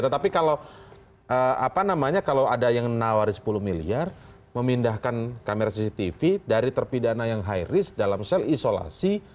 tetapi kalau apa namanya kalau ada yang menawari sepuluh miliar memindahkan kamera cctv dari terpidana yang high risk dalam sel isolasi